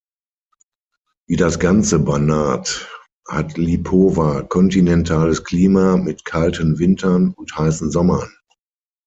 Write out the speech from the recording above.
Wie das ganze Banat hat Lipova kontinentales Klima mit kalten Wintern und heißen Sommern.